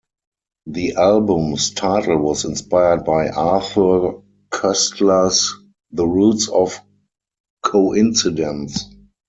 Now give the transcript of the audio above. The album's title was inspired by Arthur Koestler's "The Roots of Coincidence".